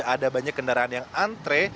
ada banyak kendaraan yang antre